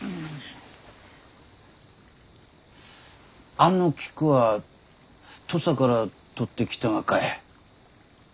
あの菊は土佐から採ってきたがかえ？